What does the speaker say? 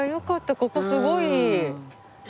ここすごいいい。